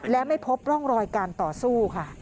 และไม่พบร่องรอยการต่อสู้ค่ะ